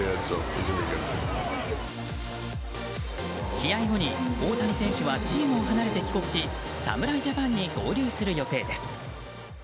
試合後に大谷選手はチームを離れて帰国し侍ジャパンに合流する予定です。